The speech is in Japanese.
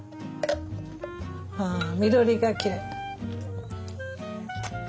ああ緑がきれい。